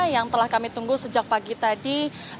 yang telah kami tunggu sejak pagi tadi